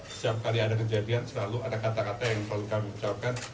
setiap kali ada kejadian selalu ada kata kata yang selalu kami ucapkan